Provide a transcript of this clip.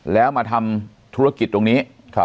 แล้วมาทำธุรกิจตรงนี้